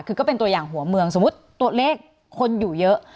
คือก็เป็นตัวอย่างหัวเมืองสมมุติตัวเลขคนอยู่เยอะ